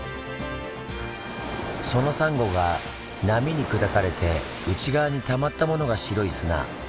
そのサンゴが波に砕かれて内側に溜まったものが白い砂。